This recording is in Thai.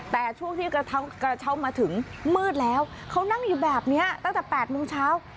แต่ช่วงที่กระเช้ามาถึงมืดแล้วเขานั่งอยู่แบบนี้ตั้งแต่๘โมงเช้า